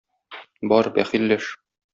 Бар, бәхилләш.